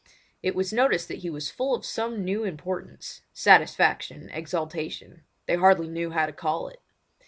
It was noticed that he was full of some new importance—satisfaction, exaltation—they hardly knew how to call it.